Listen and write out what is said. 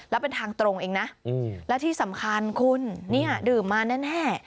แล้วเป็นทางตรงเองนะและที่สำคัญคุณเนี่ยดื่มมาแน่